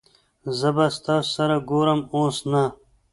زه به تاسو سره ګورم اوس نه